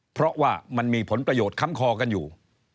เพราะว่ามันมีผลประโยชน์ค้ำคอกันอยู่